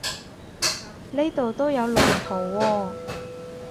呢度都有龍圖喎